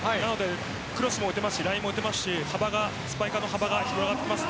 クロスも打てますしラインも打てますしスパイカーの幅が広がっています。